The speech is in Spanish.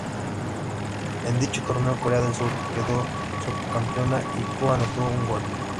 En dicho torneo Corea del Sur quedó subcampeona y Koo anotó un gol.